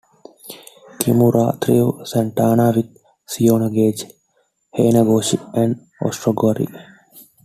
Kimura threw Santana with seoinage, hanegoshi, and osotogari.